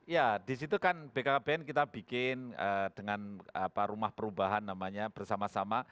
ya disitu kan bkkbn kita bikin dengan apa rumah perubahan namanya bersama sama